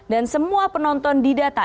dan semua penonton di data